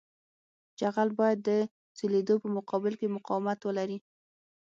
جغل باید د سولېدو په مقابل کې مقاومت ولري